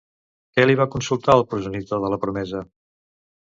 Què li va consultar el progenitor de la promesa?